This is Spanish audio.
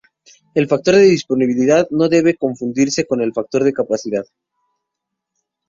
El factor de disponibilidad no debe confundirse con el factor de capacidad.